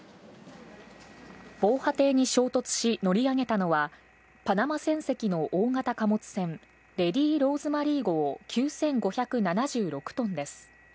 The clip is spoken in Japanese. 防波堤に衝突し、乗り上げたのは、パナマ船籍の大型貨物船、レディローズマリー号９５７６トンです。